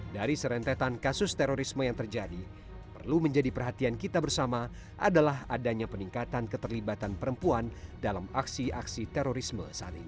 dari serentetan kasus terorisme yang terjadi perlu menjadi perhatian kita bersama adalah adanya peningkatan keterlibatan perempuan dalam aksi aksi terorisme saat ini